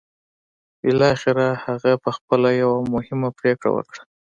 بالاخره هغه پخپله یوه مهمه پرېکړه وکړه